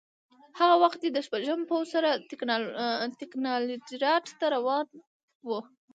هغه وخت دی د شپږم پوځ سره ستالینګراډ ته روان و